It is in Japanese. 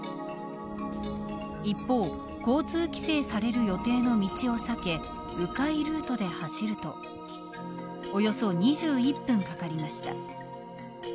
一方交通規制される予定の道を避け迂回ルートで走るとおよそ２１分かかりました。